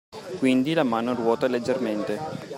Quindi la mano ruota leggermente